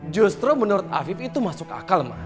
justru menurut afif itu masuk akal